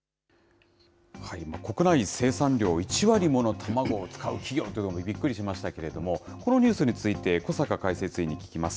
国内生産量１割もの卵を使う企業というのもびっくりしましたけれども、このニュースについて、小坂解説委員に聞きます。